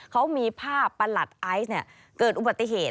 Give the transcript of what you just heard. เขามีภาพประหลัดไอซ์เกิดอุบัติเหตุ